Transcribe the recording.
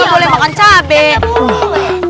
nggak boleh makan cabai